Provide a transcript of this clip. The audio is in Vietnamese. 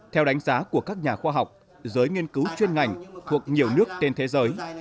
theo đánh giá của các nhà khoa học giới nghiên cứu chuyên ngành thuộc nhiều nước trên thế giới